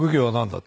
って。